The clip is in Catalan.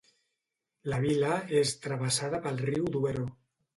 La vila és travessada pel riu Duero.